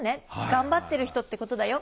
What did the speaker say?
頑張ってる人ってことだよ」